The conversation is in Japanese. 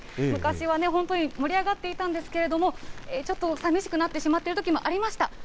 昔はね、本当に盛り上がっていたんですけれども、ちょっとさみしくなってしまっていたときもありました。